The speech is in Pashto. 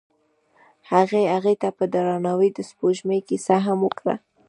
هغه هغې ته په درناوي د سپوږمۍ کیسه هم وکړه.